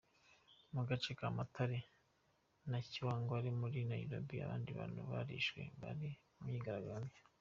Mu gace ka Mathare na Kiwangware muri Nairobi abandi bantu barishwe bari mu myigaragambyo.